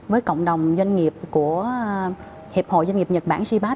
với cộng đồng doanh nghiệp của hiệp hội doanh nghiệp nhật bản shibas